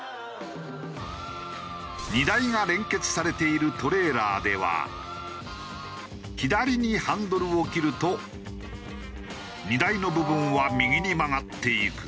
荷台が連結されているトレーラーでは左にハンドルを切ると荷台の部分は右に曲がっていく。